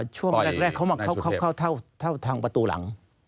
ช่วงแรกเขามาเข้าทางประตูหลัง